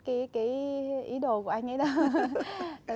cái ý đồ của anh ấy đâu